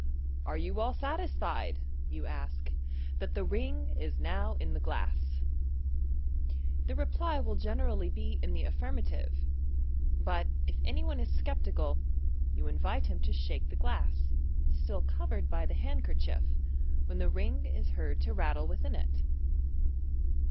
"Are you all satisfied," you ask, "that the ring is now in the glass ?The reply will generally be in the affirm ative; but, if any one is sceptical, you invite him to shake the glass, still covered by the handkerchief, when the ring is heard to rattle within it.